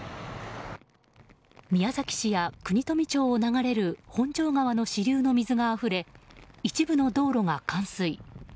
宮崎市や国富町を流れる本庄川の支流の水があふれ一部の道路が冠水。